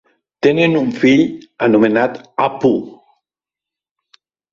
Tenen un fill anomenat Appu.